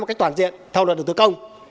một cách toàn diện theo luật được tự công